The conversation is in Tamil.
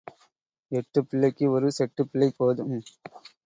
எட்டுப் பிள்ளைக்கு ஒரு செட்டுப் பிள்ளை போதும்.